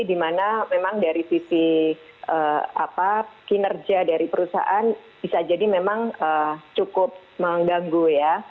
dimana memang dari sisi kinerja dari perusahaan bisa jadi memang cukup mengganggu ya